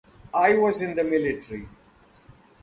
I was in the military.